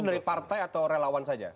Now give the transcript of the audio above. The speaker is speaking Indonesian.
itu dari partai atau relawan saja seluruhnya